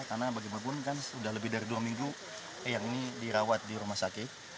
karena bagaimanapun kan sudah lebih dari dua minggu eyang ini dirawat di rumah sakit